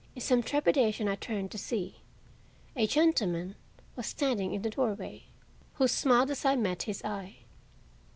In some trepidation I turned to see. A gentleman was standing in the doorway, who smiled as I met his eye.